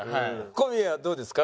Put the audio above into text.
小宮はどうですか？